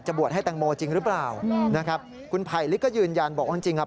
บวชให้แตงโมจริงหรือเปล่านะครับคุณไผลลิกก็ยืนยันบอกว่าจริงจริงอ่ะ